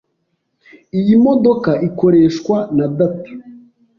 Iyi modoka ikoreshwa na data.